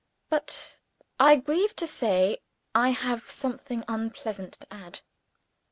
But, I grieve to say, I have something unpleasant to add.